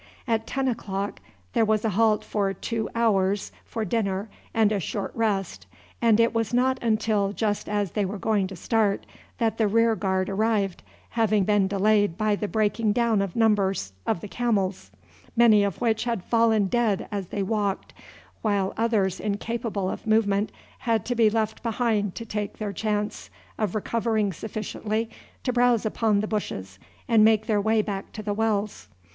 At ten o'clock there was a halt for two hours for dinner and a short rest; and it was not until just as they were going to start that the rear guard arrived, having been delayed by the breaking down of numbers of the camels, many of which had fallen dead as they walked, while others incapable of movement had to be left behind to take their chance of recovering sufficiently to browse upon the bushes and make their way back to the wells.